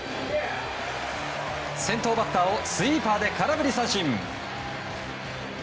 先頭バッターをスイーパーで空振り三振。